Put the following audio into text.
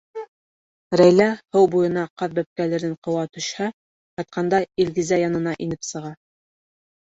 Рәйлә һыу буйына ҡаҙ бәпкәләрен ҡыуа төшһә, ҡайтҡанда Илгизә янына инеп сыға.